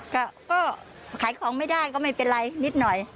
ก็ขายของไม่ได้ก็ไม่เป็นไรนิดหน่อย